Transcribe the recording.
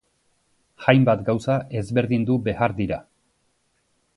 Hainbat gauza ezberdindu behar dira.